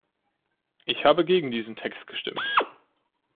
Ich habe gegen diesen Text gestimmt.